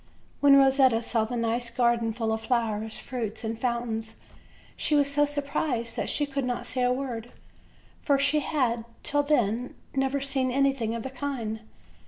When Rosetta saw the nice garden full of flowers, fruits and fountains she was so surprised that she could not say a word; for she had, till then, never seen any thing of the kind.